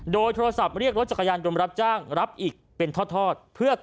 โดยโทรศัพท์เรียกรถจักรยานรับอีกเป็นทอด